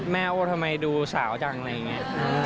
ว่าทำไมดูสาวจังอะไรอย่างนี้